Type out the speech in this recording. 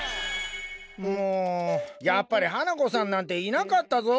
もうやっぱり花子さんなんていなかったぞ。